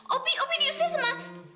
opi opi diusir sama